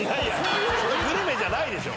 それグルメじゃないでしょ。